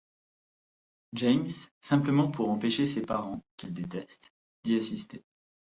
James, simplement pour empêcher ses parents, qu'il déteste, d'y assister.